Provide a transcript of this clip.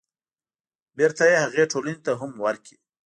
بېرته يې هغې ټولنې ته هم ورکړي.